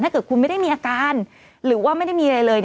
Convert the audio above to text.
ถ้าเกิดคุณไม่ได้มีอาการหรือว่าไม่ได้มีอะไรเลย